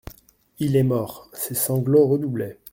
Il est mort ! Ses sanglots redoublaient.